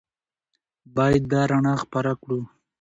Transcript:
باید دا رڼا خپره کړو.